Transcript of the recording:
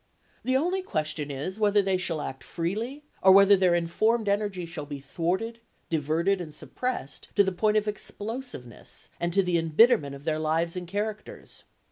The only question is whether they shall act freely, or whether their informed energy shall be thwarted, diverted and suppressed to the point of explosiveness and to the embitterment of their lives and characters.